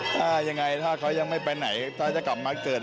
ถ้ายังไงถ้าเขายังไม่ไปไหนถ้าจะกลับมาเกิด